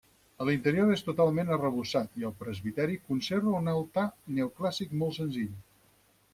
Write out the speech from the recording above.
L'interior és totalment arrebossat i el presbiteri conserva un altar neoclàssic molt senzill.